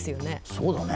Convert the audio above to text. そうだね。